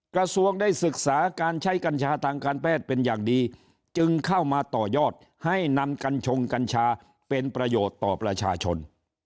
กระทรวงได้ศึกษาการใช้กัญชาทางการแพทย์เป็นอย่างดีจึงเข้ามาต่อยอดให้นำกัญชงกัญชาเป็นประโยชน์ต่อประชาชน